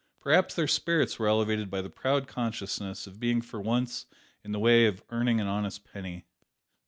Perhaps their spirits were elevated by the proud consciousness of being for once in the way of earning an honest penny!